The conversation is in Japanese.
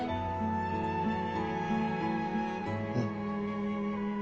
うん。